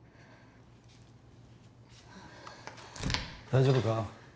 大丈夫か？